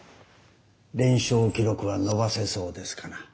連勝記録は伸ばせそうですかな？